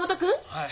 はい。